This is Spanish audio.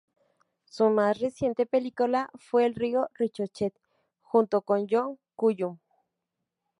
Su más reciente película fue en el "Río Ricochet", junto con John Cullum.